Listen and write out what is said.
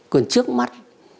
còn trước mắt